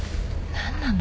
何なの？